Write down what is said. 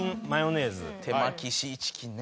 手巻シーチキンね。